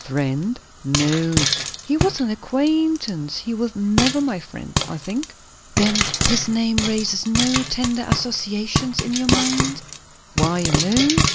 "Friend? No. He was an acquain'tance; he was never my friend, I think." "Then his name raises no tender associations in your mind?" "Why, no!"